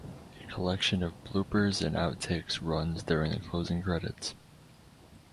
A collection of bloopers and outtakes runs during the closing credits.